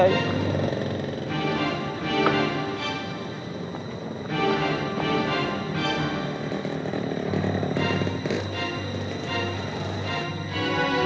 eh mana pokoknya